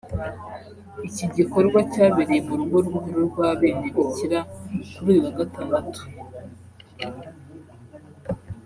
Iki gikorwa cyabereye mu rugo rukuru rw’Abenebikira kuri uyu wa Gatandatu